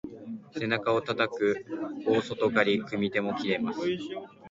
背中をたたく大外刈り、組み手も切れます。